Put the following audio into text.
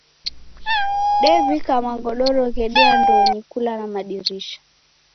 Dew'ika magodoro ghedu andonyi kula na madirisha.